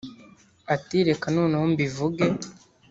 ati “Reka noneho mbivuge